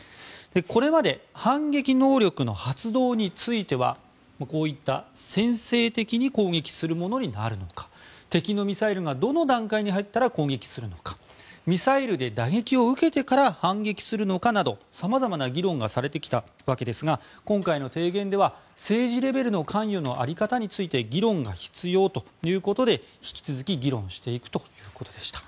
これまで反撃能力の発動についてはこういった先制的に攻撃するものになるのか敵のミサイルがどの段階に入ったら攻撃するのかミサイルで打撃を受けてから反撃するのかなど様々な議論がされてきたわけですが今回の提言では政治レベルの関与の在り方について議論が必要ということで引き続き議論していくということでした。